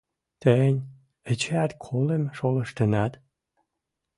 Тӹнь эчеӓт колым шолыштынат?!